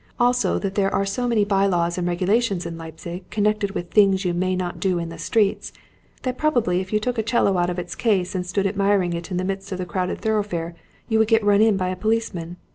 Also that there are so many by laws and regulations in Leipzig connected with things you may not do in the streets, that probably if you took a 'cello out of its case and stood admiring it in the midst of the crowded thoroughfare, you would get run in by a policeman.